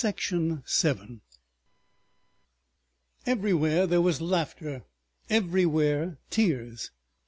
§ 7 Everywhere there was laughter, everywhere tears.